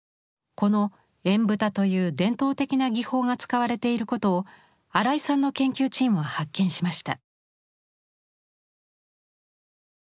この「縁蓋」という伝統的な技法が使われていることを荒井さんの研究チームは発見しました。